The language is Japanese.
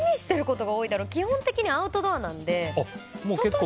基本的にアウトドアなんで。